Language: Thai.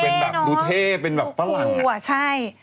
พี่หมดดำก็แต่งตัวอย่างนี้เหรอคะฮะ